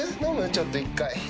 ちょっと１回。